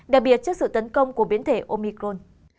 đặc biệt trước sự tấn công của biến thể omicron